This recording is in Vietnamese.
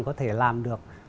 có thể làm được